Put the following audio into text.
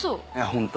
ホント。